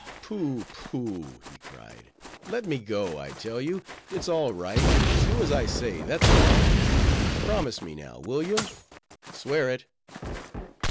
"Pooh, pooh," he cried, "let me go. I tell you, it's all right: do as I say: that's all. Promise me now, will you? Swear it!